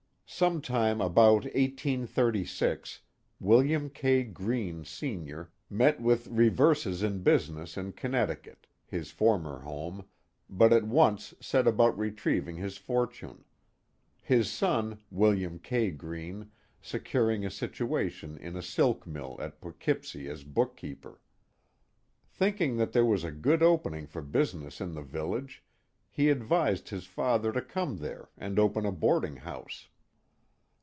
Sometime about 1836, William K. Greene, Senior, met with reverses in business in Connecticut, his former home, but at once set about retrieving his fortune; his son, William K. Greene, securing a situation in a silk mill at Poughkeepsie as bookkeeper. Thinking that there was a good opening for business in the village, he adviseci his father to come there and open a boarding house.